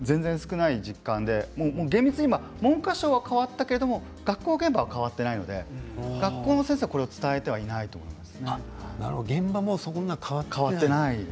全然少ない実感で厳密に言えば文科省が変わったけれど学校の現場が変わっていないので学校の先生は伝えていないと思います。